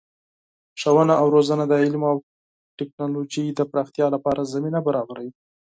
ښوونه او روزنه د علم او تکنالوژۍ د پراختیا لپاره زمینه برابروي.